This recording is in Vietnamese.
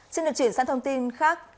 xin được chuyển sang thông tin khác